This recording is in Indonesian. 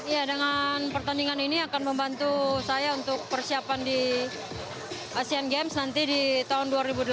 ya dengan pertandingan ini akan membantu saya untuk persiapan di asian games nanti di tahun dua ribu delapan belas